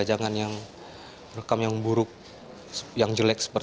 jangan yang rekam yang buruk yang jelek